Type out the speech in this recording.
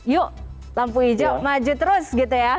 yuk lampu hijau maju terus gitu ya